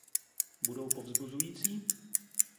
Budou povzbuzující?